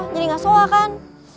jadi gak sowak kan